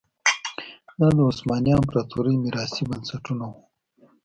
دا د عثماني امپراتورۍ میراثي بنسټونه وو.